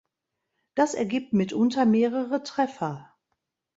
Das ergibt mitunter mehrere Treffer.